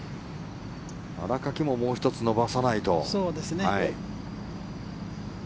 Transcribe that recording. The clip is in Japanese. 新垣ももう１つ伸ばさないと。